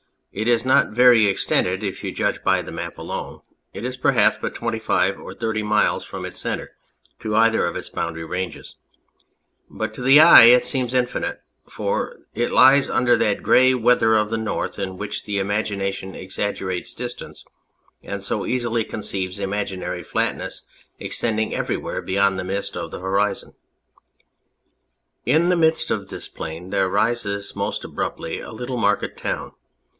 It is not very ex tended if you judge by the map alone, it is perhaps but twenty five or thirty miles from its centre to either of its boundary ranges ; but to the eye it seems infinite, for it lies under that grey weather of the North in which the imagination exaggerates distance and so easily conceives imaginary flatnesses extending everywhere beyond the mist of the horizon. In the midst of this plain there rises most abruptly a little market town.